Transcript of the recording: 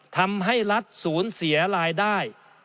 ทำให้รัฐศูนย์เสียรายได้